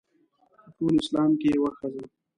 په ټول اسلام کې یوه ښځه.